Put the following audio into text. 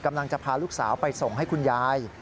กำลังจะพาลูกสาวไปส่งให้คุณยาย